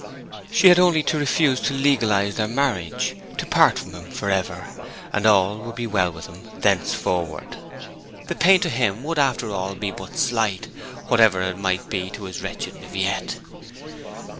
She only had to refuse to legalize their marriage, to part from him for ever, and all would be well with him thenceforward. The pain to him would after all be but slight, whatever it might be to his wretched Viviette.